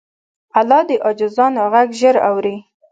الله د عاجزانو غږ ژر اوري.